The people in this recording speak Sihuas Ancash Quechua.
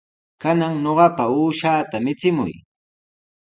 Kanan ñuqapa uushaata michimuy.